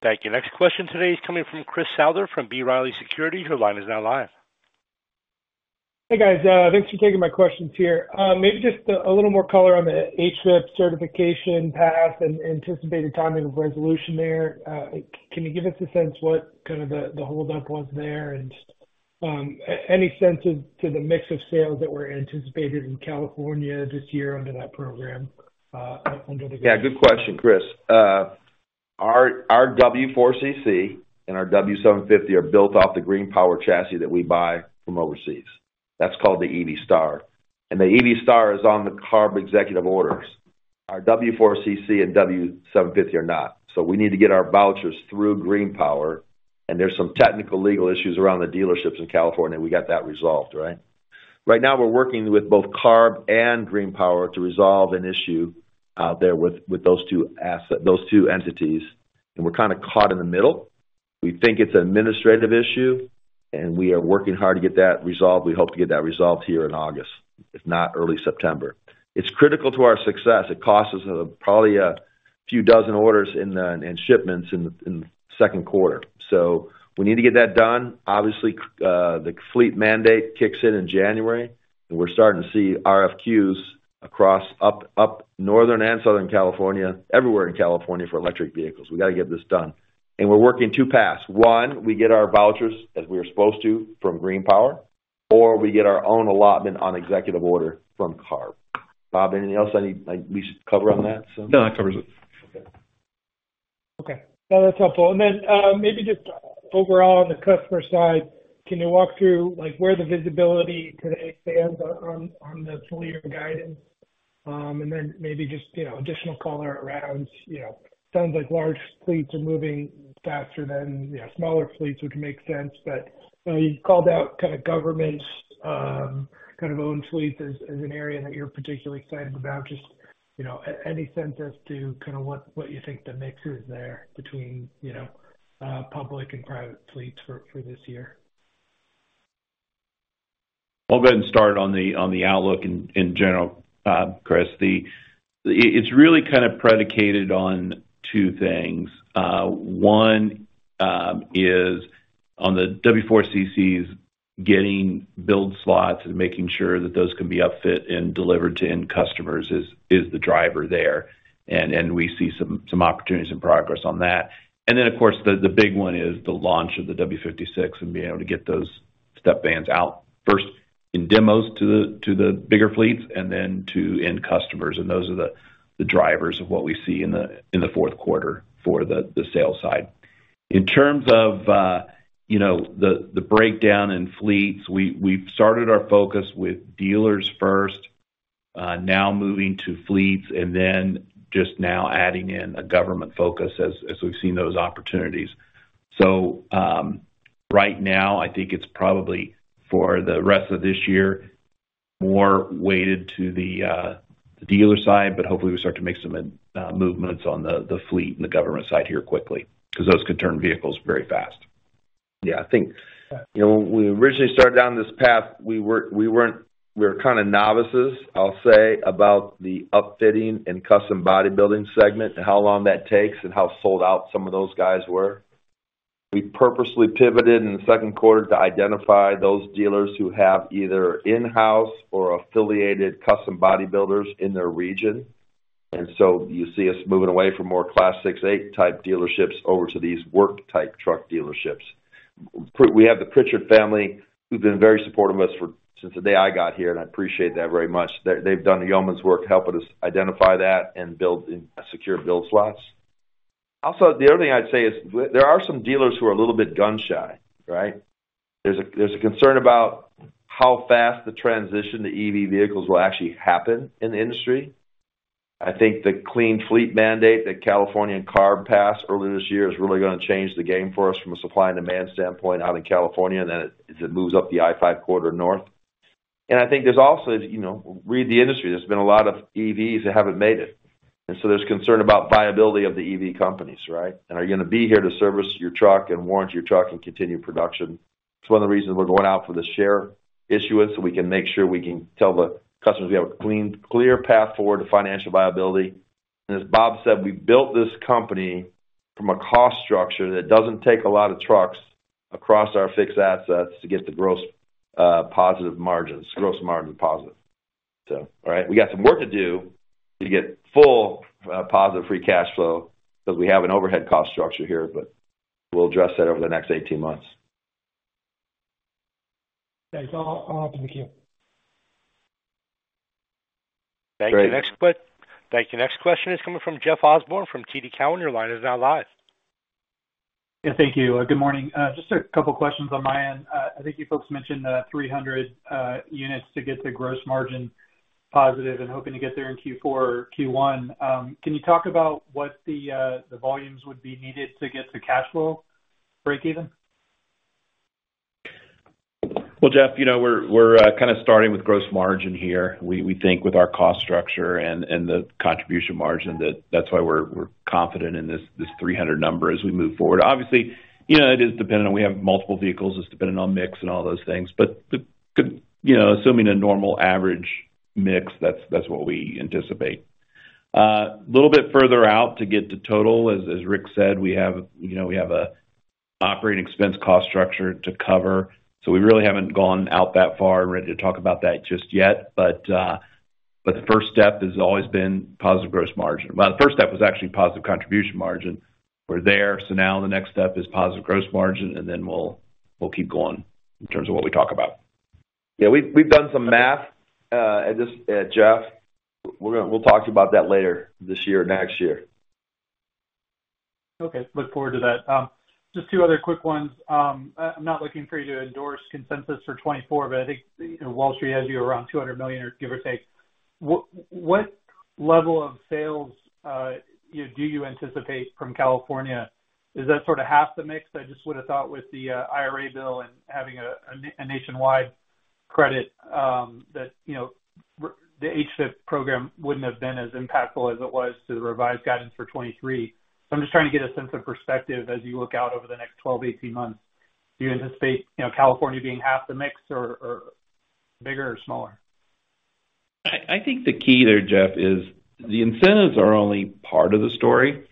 Speaker 1: Thank you. Next question today is coming from Chris Souther, from B. Riley Securities. Your line is now live.
Speaker 6: Hey, guys, thanks for taking my questions here. Maybe just a little more color on the HVIP certification path and anticipated timing of resolution there. Can you give us a sense what kind of the holdup was there? Any sense as to the mix of sales that were anticipated in California this year under that program, under the-
Speaker 3: Yeah, good question, Chris. Our W4CC and our W750 are built off the GreenPower chassis that we buy from overseas. That's called the EV Star. The EV Star is on the CARB executive orders. Our W4CC and W750 are not. We need to get our vouchers through GreenPower, and there's some technical legal issues around the dealerships in California, we got that resolved, right? Right now, we're working with both CARB and GreenPower to resolve an issue there with those two entities. We're kind of caught in the middle. We think it's an administrative issue. We are working hard to get that resolved. We hope to get that resolved here in August, if not early September. It's critical to our success. It costs us probably a few dozen orders in the shipments in the second quarter, so we need to get that done. Obviously, the fleet mandate kicks in in January, We're starting to see RFQs across up northern and southern California, everywhere in California for electric vehicles. We got to get this done. We're working two paths. One, we get our vouchers as we are supposed to from GreenPower, or we get our own allotment on executive order from CARB. Bob, anything else I need, like, we should cover on that, so?
Speaker 4: No, that covers it.
Speaker 3: Okay.
Speaker 6: Well, that's helpful. Maybe just overall on the customer side, can you walk through, like, where the visibility today stands on the full year guidance? Maybe just, you know, additional color around, you know, sounds like large fleets are moving faster than smaller fleets, which makes sense. You called out kind of government, kind of own fleets as an area that you're particularly excited about. Just, you know, any sense as to kind of what, what you think the mix is there between, you know, public and private fleets for this year?
Speaker 4: I'll go ahead and start on the, on the outlook in, in general, Chris. It's really kind of predicated on two things. One is on the W4 CCs, getting build slots and making sure that those can be upfit and delivered to end customers is the driver there, and we see some opportunities and progress on that. Of course, the big one is the launch of the W56 and being able to get those step vans out, first in demos to the bigger fleets and then to end customers. Those are the drivers of what we see in the fourth quarter for the sales side. In terms of, you know, the, the breakdown in fleets, we, we've started our focus with dealers first, now moving to fleets, and then just now adding in a government focus as, as we've seen those opportunities. Right now, I think it's probably for the rest of this year, more weighted to the, the dealer side, but hopefully, we start to make some movements on the, the fleet and the government side here quickly, because those could turn vehicles very fast.
Speaker 3: Yeah, I think, you know, when we originally started down this path, we weren't, we were kind of novices, I'll say, about the upfitting and custom bodybuilding segment and how long that takes and how sold out some of those guys were. We purposely pivoted in the second quarter to identify those dealers who have either in-house or affiliated custom bodybuilders in their region. You see us moving away from more Class six, eight type dealerships over to these work type truck dealerships. We have the Pritchard family, who've been very supportive of us since the day I got here, and I appreciate that very much. They've done the yeoman's work, helping us identify that and build, secure build slots. The other thing I'd say is there are some dealers who are a little bit gun-shy, right? There's a concern about how fast the transition to EV vehicles will actually happen in the industry. I think the Clean Fleet mandate that California and CARB passed earlier this year is really going to change the game for us from a supply and demand standpoint out in California, and then as it moves up the I-5 corridor north. I think there's also, you know, read the industry, there's been a lot of EVs that haven't made it, and so there's concern about viability of the EV companies, right? Are you going to be here to service your truck and warrant your truck and continue production? It's one of the reasons we're going out for the share issuance, so we can make sure we can tell the customers we have a clean, clear path forward to financial viability. As Bob said, we built this company from a cost structure that doesn't take a lot of trucks across our fixed assets to get the gross, positive margins, gross margin positive. All right, we got some work to do to get full, positive free cash flow because we have an overhead cost structure here, but we'll address that over the next 18 months.
Speaker 6: Thanks. I'll, I'll open the queue.
Speaker 1: Thank you. Next question is coming from Jeff Osborne, from TD Cowen, your line is now live.
Speaker 7: Yeah, thank you. Good morning. Just a couple of questions on my end. I think you folks mentioned 300 units to get to gross margin positive and hoping to get there in Q4 or Q1. Can you talk about what the volumes would be needed to get to cash flow break even?
Speaker 4: Well, Jeff, you know, we're, we're, kind of starting with gross margin here. We, we think with our cost structure and, and the contribution margin, that that's why we're, we're confident in this, this $300 number as we move forward. Obviously, you know, it is dependent on we have multiple vehicles, it's dependent on mix and all those things, but could, you know, assuming a normal average mix, that's, that's what we anticipate. A little bit further out to get to total, as, as Rick said, we have, you know, we have a operating expense cost structure to cover, so we really haven't gone out that far and ready to talk about that just yet. But the first step has always been positive gross margin. Well, the first step was actually positive contribution margin. We're there, so now the next step is positive gross margin, and then we'll, we'll keep going in terms of what we talk about.
Speaker 3: Yeah, we've, we've done some math, at this, Jeff, we'll talk to you about that later this year or next year.
Speaker 7: Okay, look forward to that. Just two other quick ones. I'm not looking for you to endorse consensus for 2024, I think, you know, Wall Street has you around $200 million, or give or take. What level of sales, you know, do you anticipate from California? Is that sort of half the mix? I just would have thought with the IRA bill and having a nationwide credit, that, you know, the HVIP program wouldn't have been as impactful as it was to the revised guidance for 2023. I'm just trying to get a sense of perspective as you look out over the next 12, 18 months. Do you anticipate, you know, California being half the mix or bigger or smaller?
Speaker 4: I think the key there, Jeff, is the incentives are only part of the story.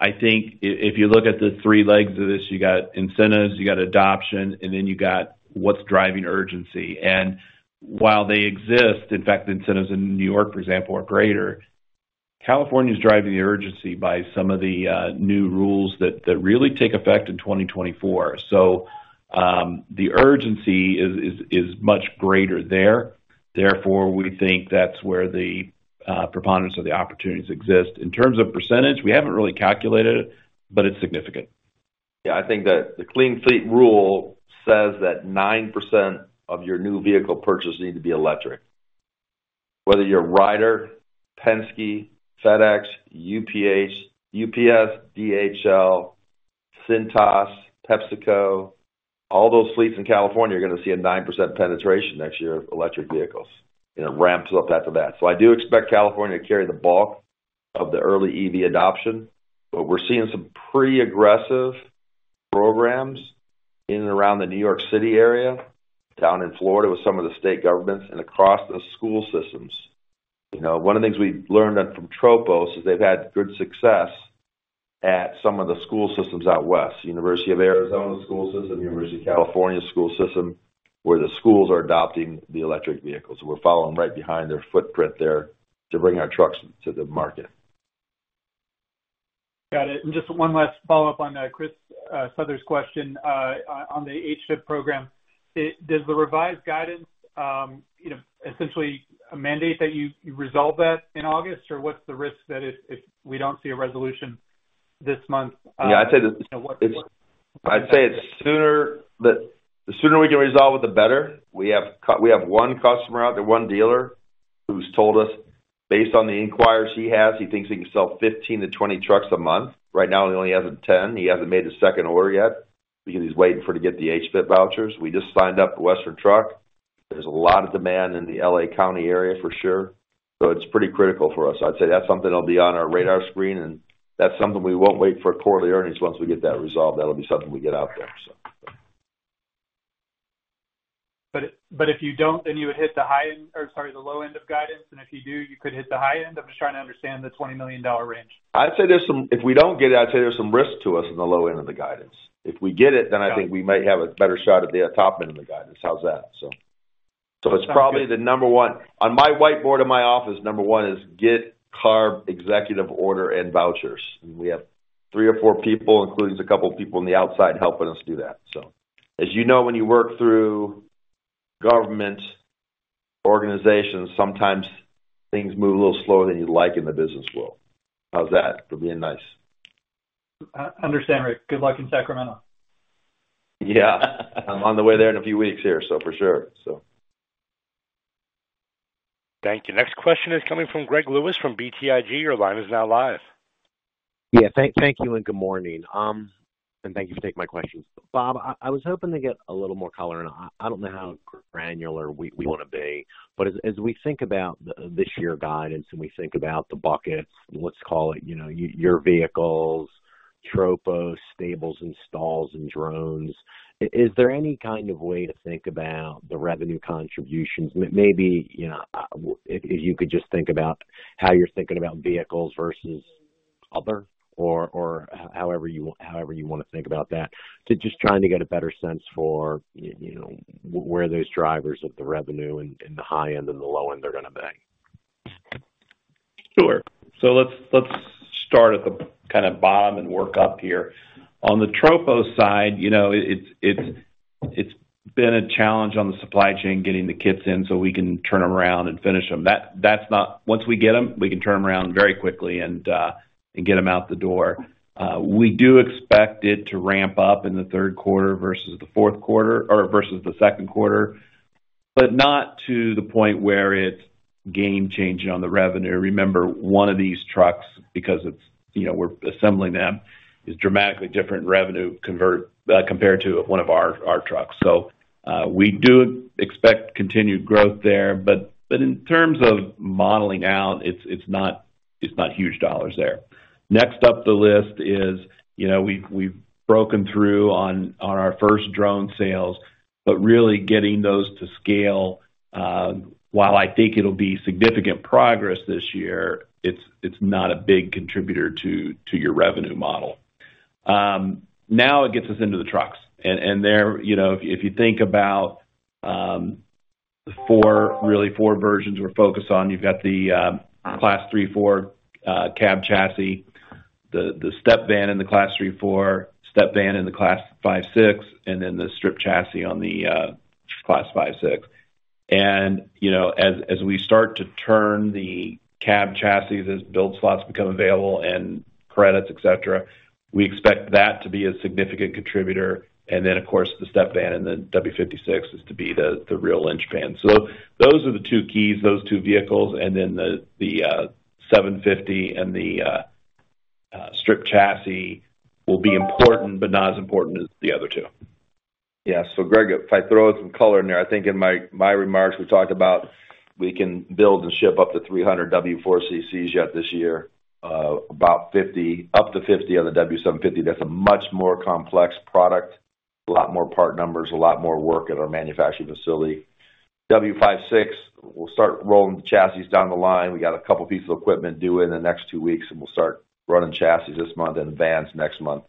Speaker 4: I think if you look at the three legs of this, you got incentives, you got adoption, and then you got what's driving urgency. While they exist, in fact, the incentives in New York, for example, are greater. California is driving the urgency by some of the new rules that really take effect in 2024. The urgency is much greater there. Therefore, we think that's where the preponderance of the opportunities exist. In terms of percentage, we haven't really calculated it, but it's significant.
Speaker 3: Yeah, I think that the clean fleet rule says that 9% of your new vehicle purchases need to be electric. Whether you're Ryder, Penske, FedEx, UPS, UPS, DHL, Cintas, PepsiCo, all those fleets in California are going to see a 9% penetration next year of electric vehicles, and it ramps up after that. I do expect California to carry the bulk of the early EV adoption, but we're seeing some pretty aggressive programs in and around the New York City area, down in Florida with some of the state governments, and across the school systems. You know, one of the things we've learned from Tropos is they've had good success at some of the school systems out west, University of Arizona school system, University of California school system, where the schools are adopting the electric vehicles. We're following right behind their footprint there to bring our trucks to the market.
Speaker 7: Got it. Just one last follow-up on Chris Souther's question on the HVIP program. Does the revised guidance, you know, essentially mandate that you resolve that in August, or what's the risk that we don't see a resolution this month?
Speaker 3: Yeah, I'd say.
Speaker 7: What?
Speaker 3: I'd say it's sooner the sooner we can resolve it, the better. We have we have one customer out there, one dealer, who's told us, based on the inquiries he has, he thinks he can sell 15-20 trucks a month. Right now, he only has 10. He hasn't made a second order yet because he's waiting for to get the HVIP vouchers. We just signed up Western Truck. There's a lot of demand in the L.A. County area for sure, so it's pretty critical for us. I'd say that's something that'll be on our radar screen, and that's something we won't wait for quarterly earnings once we get that resolved. That'll be something we get out there.
Speaker 7: but if you don't, then you would hit the high end, or sorry, the low end of guidance, and if you do, you could hit the high end? I'm just trying to understand the $20 million range.
Speaker 3: I'd say there's some if we don't get it, I'd say there's some risk to us in the low end of the guidance. If we get it, I think we might have a better shot at the top end of the guidance. How's that? It's probably the number one. On my whiteboard in my office, number one is get CARB executive order and vouchers. We have three or four people, including a couple of people on the outside, helping us do that, so. As you know, when you work through government organizations, sometimes things move a little slower than you'd like in the business world. How's that for being nice?
Speaker 7: I understand, Rick. Good luck in Sacramento.
Speaker 3: Yeah, I'm on the way there in a few weeks here, so for sure.
Speaker 1: Thank you. Next question is coming from Greg Lewis from BTIG. Your line is now live.
Speaker 8: Yeah, thank, thank you and good morning. Thank you for taking my questions. Bob, I, I was hoping to get a little more color, and I, I don't know how granular we, we want to be, but as, as we think about the, this year's guidance and we think about the buckets, let's call it, you know, your vehicles, Tropos, Stables, and stalls, and drones, is there any kind of way to think about the revenue contributions? Maybe, you know, if, if you could just think about how you're thinking about vehicles versus other or, or however you, however you want to think about that. To just trying to get a better sense for, you know, where those drivers of the revenue and, and the high end and the low end are going to be.
Speaker 4: Sure. Let's start at the kind of bottom and work up here. On the Tropos side, you know, it's been a challenge on the supply chain, getting the kits in so we can turn them around and finish them. That's not. Once we get them, we can turn them around very quickly and get them out the door. We do expect it to ramp up in the third quarter versus the fourth quarter or versus the second quarter, but not to the point where it's game-changing on the revenue. Remember, one of these trucks, because it's, you know, we're assembling them, is dramatically different revenue convert compared to one of our trucks. We do expect continued growth there. In terms of modeling out, it's not, it's not huge dollars there. Next up the list is, you know, we've, we've broken through on, on our first drone sales, but really getting those to scale, while I think it'll be significant progress this year, it's, it's not a big contributor to, to your revenue model. Now it gets us into the trucks, and there, you know, if, if you think about, the four, really four versions we're focused on, you've got the, Class three, four, cab chassis, the, the step van in the Class three, four, step van in the Class five, six, and then the strip chassis on the, Class five, six. You know, as, as we start to turn the cab chassis, as build slots become available and credits, et cetera, we expect that to be a significant contributor. Then, of course, the step van and the W56 is to be the real linchpin. Those are the two keys, those two vehicles, and then the 750 and the strip chassis will be important, but not as important as the other two.
Speaker 3: Yeah. Greg, if I throw in some color in there, I think in my remarks, we talked about we can build and ship up to 300 W4CCs yet this year, about 50, up to 50 on the W750. That's a much more complex product, a lot more part numbers, a lot more work at our manufacturing facility. W56, we'll start rolling the chassis down the line. We got a couple pieces of equipment due in the next two weeks, we'll start running chassis this month and vans next month,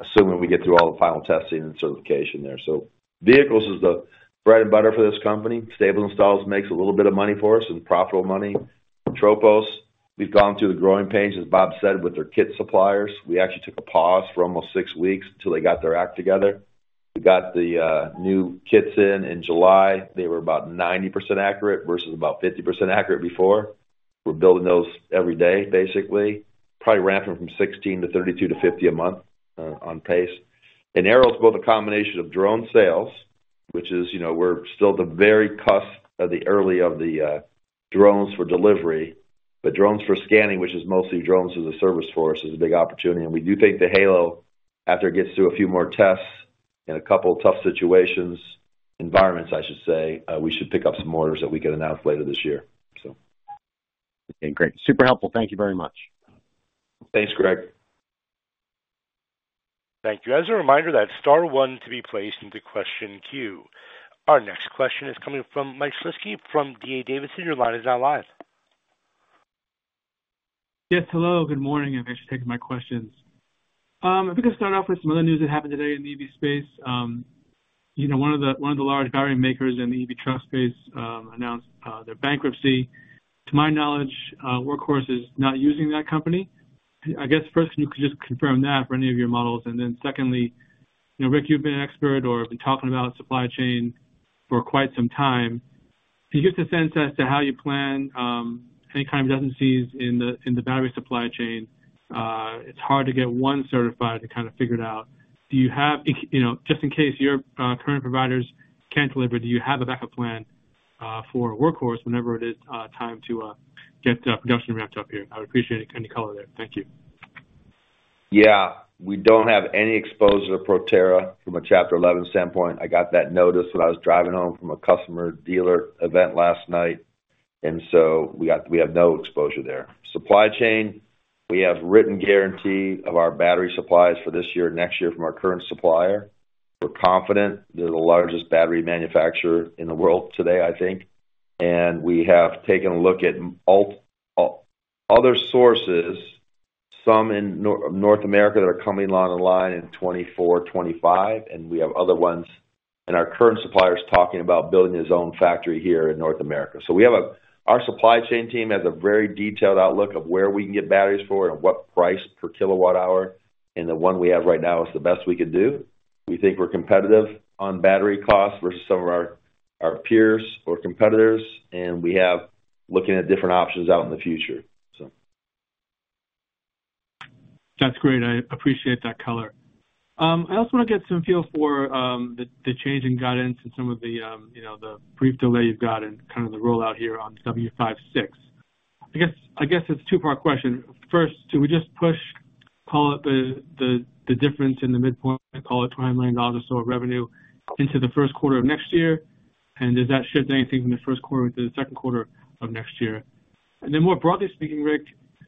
Speaker 3: assuming we get through all the final testing and certification there. Vehicles is the bread and butter for this company. Stables installs makes a little bit of money for us and profitable money. Tropos, we've gone through the growing pains, as Bob said, with their kit suppliers. We actually took a pause for almost six weeks until they got their act together. We got the new kits in, in July. They were about 90% accurate, versus about 50% accurate before. We're building those every day, basically. Probably ramping from 16 to 32 to 50 a month on pace. Aeros both a combination of drone sales, which is, you know, we're still the very cusp of the early of the drones for delivery. Drones for scanning, which is mostly drones as a service for us, is a big opportunity. We do think the HALO, after it gets through a few more tests in a couple of tough situations, environments, I should say, we should pick up some orders that we can announce later this year.
Speaker 8: Okay, great. Super helpful. Thank you very much.
Speaker 3: Thanks, Greg.
Speaker 1: Thank you. As a reminder, that's star one to be placed into question queue. Our next question is coming from Mike Shlisky from D.A. Davidson. Your line is now live.
Speaker 9: Yes, hello, good morning, thanks for taking my questions. If we could start off with some other news that happened today in the EV space. You know, one of the, one of the large battery makers in the EV truck space announced their bankruptcy. To my knowledge, Workhorse is not using that company. I guess, first, you could just confirm that for any of your models. Then secondly, you know, Rick, you've been an expert or been talking about supply chain for quite some time. Can you get the sense as to how you plan any kind of deficiencies in the battery supply chain? It's hard to get one certified to kind of figure it out. Do you have, you know, just in case your current providers can't deliver, do you have a backup plan for Workhorse whenever it is time to get production wrapped up here? I would appreciate any color there. Thank you.
Speaker 3: Yeah. We don't have any exposure to Proterra from a Chapter 11 standpoint. I got that notice when I was driving home from a customer dealer event last night, so we have no exposure there. Supply chain, we have written guarantee of our battery supplies for this year and next year from our current supplier. We're confident they're the largest battery manufacturer in the world today, I think. We have taken a look at other sources, some in North America, that are coming on online in 2024, 2025, and we have other ones, and our current supplier is talking about building his own factory here in North America. We have our supply chain team has a very detailed outlook of where we can get batteries for and what price per kilowatt hour, and the one we have right now is the best we could do. We think we're competitive on battery costs versus some of our, our peers or competitors, and we have looking at different options out in the future, so.
Speaker 9: That's great. I appreciate that color. I also want to get some feel for the change in guidance and some of the, you know, the brief delay you've got in kind of the rollout here on W56. I guess, I guess it's a two-part question. First, do we just push, call it the, the, the difference in the midpoint, call it $20 million or revenue into the first quarter of next year? Does that shift anything from the first quarter to the second quarter of next year? More broadly speaking, Rick,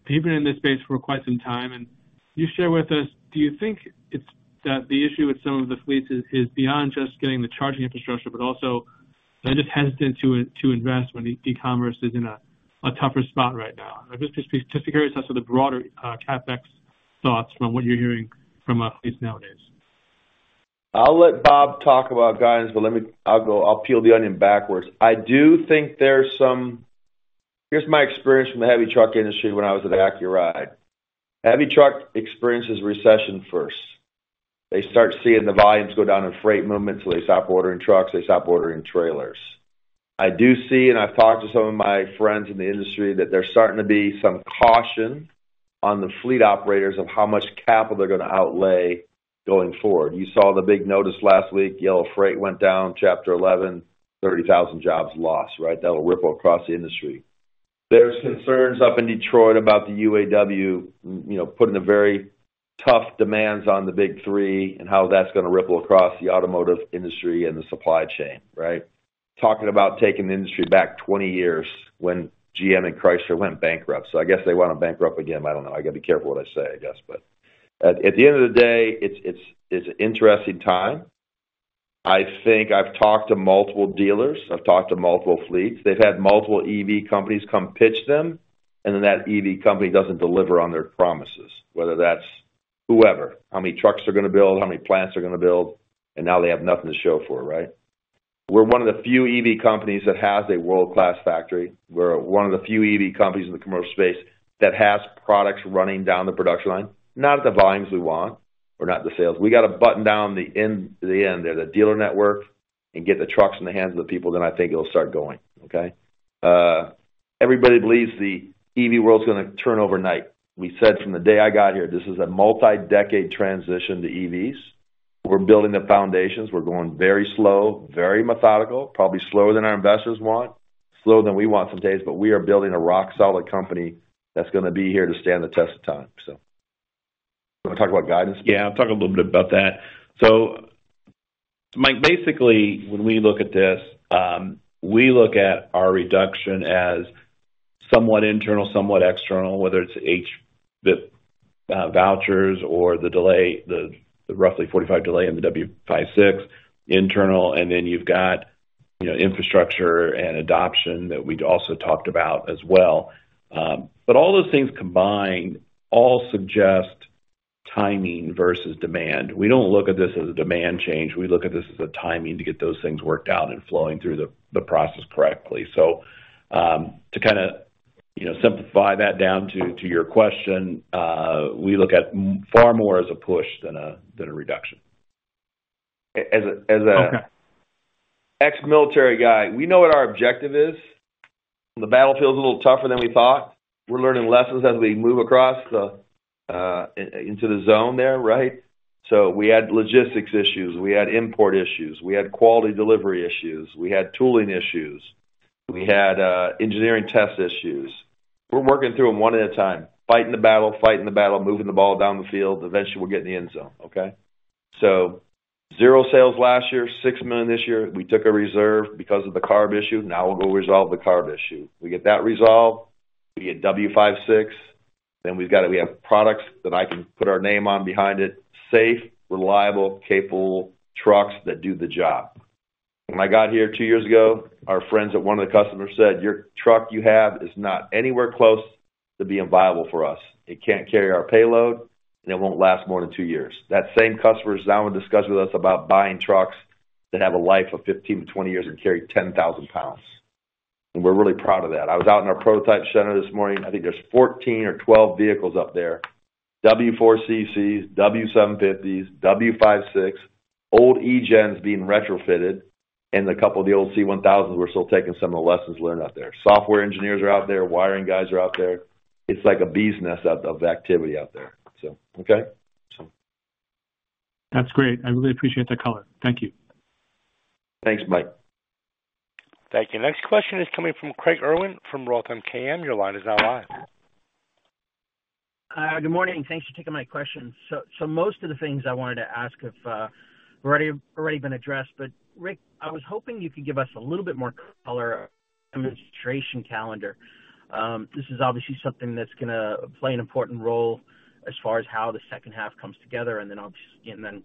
Speaker 9: you've been in this space for quite some time, and can you share with us, do you think it's that the issue with some of the fleets is, is beyond just getting the charging infrastructure, but also they're just hesitant to invest when e-commerce is in a tougher spot right now? I'm just curious as to the broader CapEx thoughts from what you're hearing from fleets nowadays?
Speaker 3: I'll let Bob talk about guidance. Let me, I'll go, I'll peel the onion backwards. I do think there's some. Here's my experience from the heavy truck industry when I was at Accuride. Heavy truck experiences recession first. They start seeing the volumes go down in freight movements. They stop ordering trucks, they stop ordering trailers. I do see, I've talked to some of my friends in the industry, that there's starting to be some caution on the fleet operators of how much capital they're going to outlay going forward. You saw the big notice last week, Yellow Corp. went down, Chapter 11, 30,000 jobs lost, right? That'll ripple across the industry. There's concerns up in Detroit about the UAW, you know, putting a very tough demands on the Big Three. How that's going to ripple across the automotive industry and the supply chain, right? Talking about taking the industry back 20 years when GM and Chrysler went bankrupt. I guess they want to bankrupt again. I don't know. I got to be careful what I say, I guess, but at the end of the day, it's an interesting time. I think I've talked to multiple dealers, I've talked to multiple fleets. They've had multiple EV companies come pitch them, and then that EV company doesn't deliver on their promises, whether that's whoever, how many trucks they're going to build, how many plants they're going to build, and now they have nothing to show for, right? We're one of the few EV companies that has a world-class factory. We're one of the few EV companies in the commercial space that has products running down the production line, not at the volumes we want or not the sales. We got to button down the end, the end there, the dealer network, and get the trucks in the hands of the people. I think it'll start going, okay? Everybody believes the EV world's going to turn overnight. We said from the day I got here, this is a multi-decade transition to EVs. We're building the foundations. We're going very slow, very methodical, probably slower than our investors want, slower than we want some days. We are building a rock-solid company that's going to be here to stand the test of time. You want to talk about guidance?
Speaker 4: Yeah, I'll talk a little bit about that. Mike, basically, when we look at this, we look at our reduction as somewhat internal, somewhat external, whether it's HVIP vouchers or the delay, the, the roughly 45 delay in the W56 internal, and then you've got, you know, infrastructure and adoption that we'd also talked about as well. All those things combined all suggest timing versus demand. We don't look at this as a demand change. We look at this as a timing to get those things worked out and flowing through the process correctly. To kinda, you know, simplify that down to, to your question, we look at far more as a push than a, than a reduction.
Speaker 3: As a
Speaker 9: Okay.
Speaker 3: Ex-military guy, we know what our objective is. The battlefield is a little tougher than we thought. We're learning lessons as we move across the into the zone there, right? We had logistics issues, we had import issues, we had quality delivery issues, we had tooling issues, we had engineering test issues. We're working through them one at a time, fighting the battle, fighting the battle, moving the ball down the field. Eventually, we'll get in the end zone, okay? Zero sales last year, $6 million this year. We took a reserve because of the CARB issue. We'll go resolve the CARB issue. We get that resolved, we get W56, we've got it. We have products that I can put our name on behind it, safe, reliable, capable trucks that do the job. When I got here two years ago, our friends at one of the customers said, "Your truck you have is not anywhere close to being viable for us. It can't carry our payload, and it won't last more than two years." That same customer is now in discussions with us about buying trucks that have a life of 15-20 years and carry 10,000 pounds. We're really proud of that. I was out in our prototype center this morning. I think there's 14 or 12 vehicles up there, W4 CCs, W750s, W56, old E-GENs being retrofitted, and a couple of the old C-1000s we're still taking some of the lessons learned out there. Software engineers are out there, wiring guys are out there. It's like a bees nest of activity out there. Okay?
Speaker 9: That's great. I really appreciate the color. Thank you.
Speaker 3: Thanks, Mike.
Speaker 1: Thank you. Next question is coming from Craig Irwin from Roth MKM. Your line is now live.
Speaker 10: Good morning, thanks for taking my question. Most of the things I wanted to ask have already, already been addressed, but Rick, I was hoping you could give us a little bit more color on the demonstration calendar. This is obviously something that's gonna play an important role as far as how the second half comes together, and then I'll just get in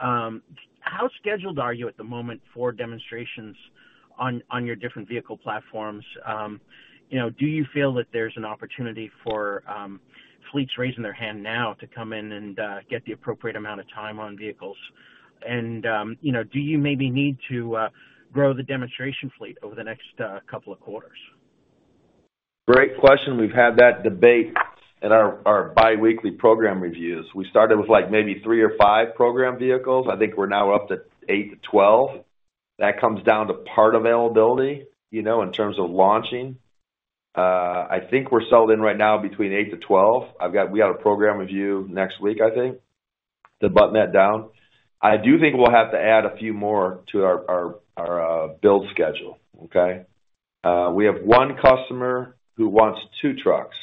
Speaker 10: then 2024. How scheduled are you at the moment for demonstrations on, on your different vehicle platforms? You know, do you feel that there's an opportunity for fleets raising their hand now to come in and get the appropriate amount of time on vehicles? You know, do you maybe need to grow the demonstration fleet over the next couple of quarters?
Speaker 3: Great question. We've had that debate at our, our biweekly program reviews. We started with, like, maybe three or five program vehicles. I think we're now up to eight to 12. That comes down to part availability, you know, in terms of launching. I think we're sold in right now between eight to 12. We got a program review next week, I think, to button that down. I do think we'll have to add a few more to our, our, our build schedule, okay? We have one customer who wants two trucks.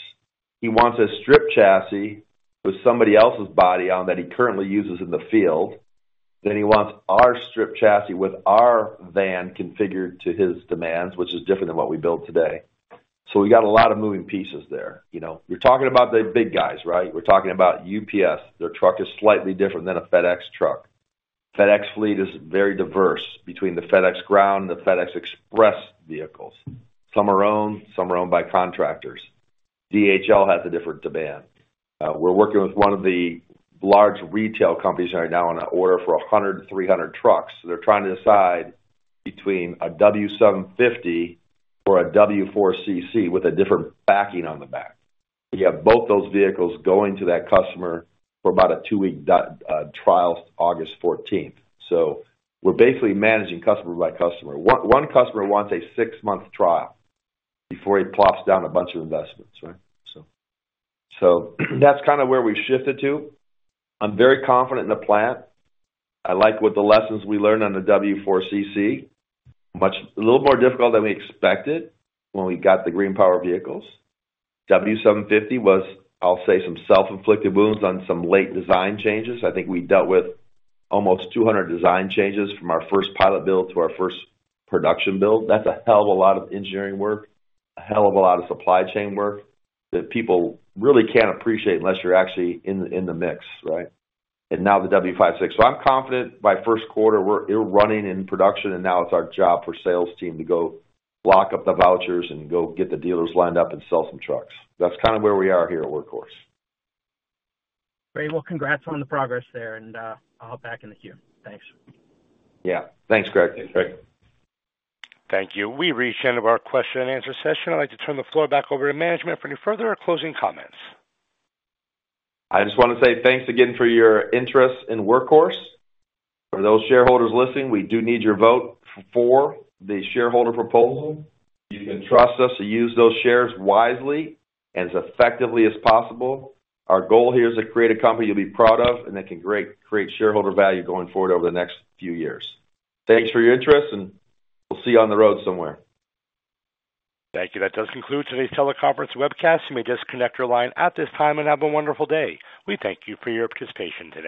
Speaker 3: He wants a strip chassis with somebody else's body on, that he currently uses in the field. He wants our strip chassis with our van configured to his demands, which is different than what we built today. We got a lot of moving pieces there, you know? We're talking about the big guys, right? We're talking about UPS. Their truck is slightly different than a FedEx truck. FedEx fleet is very diverse between the FedEx Ground, the FedEx Express vehicles. Some are owned, some are owned by contractors. DHL has a different demand. We're working with one of the large retail companies right now on an order for 100, 300 trucks. They're trying to decide between a W750 or a W4 CC with a different backing on the back. We have both those vehicles going to that customer for about a two week trial, August 14th. We're basically managing customer by customer. One, one customer wants a six month trial before he plops down a bunch of investments, right? That's kind of where we've shifted to. I'm very confident in the plant. I like what the lessons we learned on the W4 CC. A little more difficult than we expected when we got the green power vehicles. W750 was, I'll say, some self-inflicted wounds on some late design changes. I think we dealt with almost 200 design changes from our first pilot build to our first production build. That's a hell of a lot of engineering work, a hell of a lot of supply chain work, that people really can't appreciate unless you're actually in, in the mix, right? Now the W56. I'm confident by first quarter, it'll running in production, and now it's our job for sales team to go lock up the vouchers and go get the dealers lined up and sell some trucks. That's kind of where we are here at Workhorse.
Speaker 10: Great. Well, congrats on the progress there, and I'll hop back in the queue. Thanks.
Speaker 3: Yeah. Thanks, Greg.
Speaker 1: Thank you. We've reached the end of our question and answer session. I'd like to turn the floor back over to management for any further closing comments.
Speaker 3: I just want to say thanks again for your interest in Workhorse. For those shareholders listening, we do need your vote for the shareholder proposal. You can trust us to use those shares wisely and as effectively as possible. Our goal here is to create a company you'll be proud of, and that can create shareholder value going forward over the next few years. Thanks for your interest, and we'll see you on the road somewhere.
Speaker 1: Thank you. That does conclude today's teleconference webcast. You may disconnect your line at this time and have a wonderful day. We thank you for your participation.